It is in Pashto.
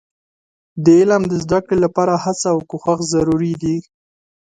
د علم د زده کړې لپاره هڅه او کوښښ ضروري دي.